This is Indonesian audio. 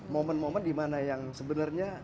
momen momen di mana yang sebenarnya